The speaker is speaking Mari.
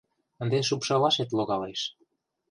— Ынде шупшалашет логалеш...